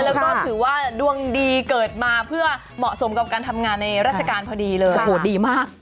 แล้วก็ถือว่าดวงดีเกิดมาเพื่อเหมาะสมกับการทำงานในราชการพอดีเลยโอ้โหดีมาก